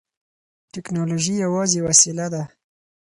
ټیکنالوژي یوازې وسیله ده.